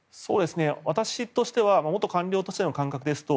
私としては元官僚としての感覚ですと